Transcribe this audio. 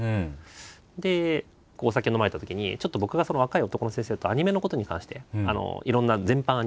でお酒飲まれたときにちょっと僕がその若い男の先生とアニメのことに関していろんな全般アニメ。